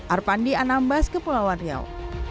arpandi anambas kepulauan riau